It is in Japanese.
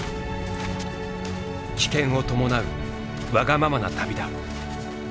危険を伴うわがままな旅だ。